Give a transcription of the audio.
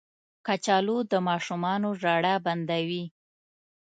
کچالو د ماشومانو ژړا بندوي